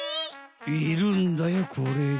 いるんだよこれが。